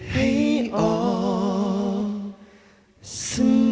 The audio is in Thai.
ให้ออกเสมอ